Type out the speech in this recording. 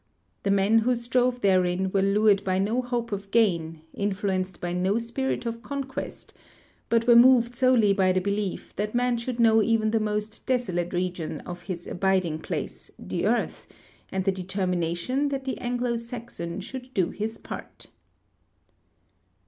The men wdio strove therein were lured by no hope of gain, influenced by no spirit of conquest, but were moved solely by the belief that man should know even the most desolate regions of his abiding place, the earth, and the determination that the Anglo Saxon should do his part.